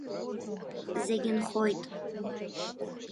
Зегь нхоит.